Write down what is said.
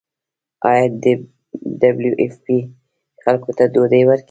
آیا ډبلیو ایف پی خلکو ته ډوډۍ ورکوي؟